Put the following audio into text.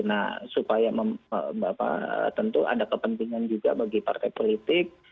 nah supaya bapak tentu ada kepentingan juga bagi partai politik